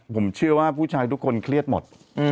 ผมเชื่อว่าผู้ชายทุกคนเครียดหมด